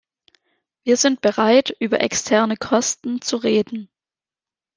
Wir sind bereit, über externe Kosten zu reden.